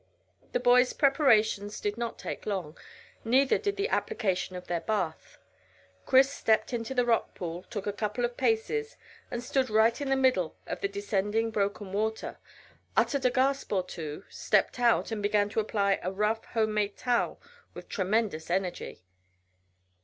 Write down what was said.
The boys' preparations did not take long, neither did the application of their bath. Chris stepped into the rock pool, took a couple of paces, and stood right in the middle of the descending broken water, uttered a gasp or two, stepped out, and began to apply a rough home made towel with tremendous energy.